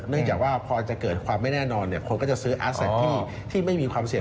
จากว่าพอจะเกิดความไม่แน่นอนคนก็จะซื้ออาสแท็กที่ไม่มีความเสี่ยง